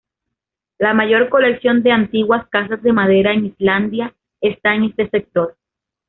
La mayor colección de antiguas casas de madera en Islandia esta en este sector.